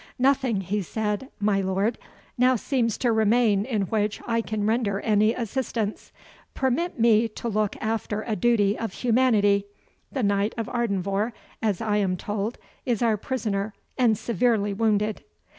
"Nothing," he said, "my lord, now seems to remain in which I can render any assistance; permit me to look after a duty of humanity the Knight of Ardenvohr, as I am told, is our prisoner, and severely wounded."